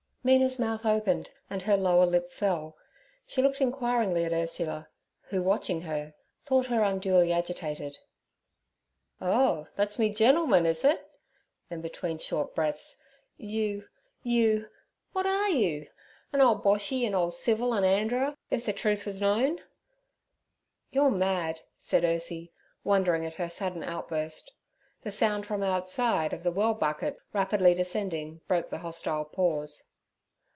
Mina's mouth opened and her lower lip fell. She looked inquiringly at Ursula, who, watching her, thought her unduly agitated. 'Oh, that's me gentleman, is it?' Then between short breaths: 'You, you! W'at are you? an' ole Boshy an' ole Civil, an' Andrer even, if ther truth was known?' 'You're mad' said Ursie, wondering at her sudden outburst. The sound from outside of the well bucket rapidly descending broke the hostile pause.